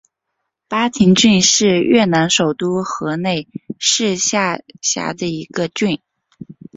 巴亭郡是越南首都河内市下辖的一个郡。